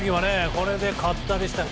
これで勝ったりしたら。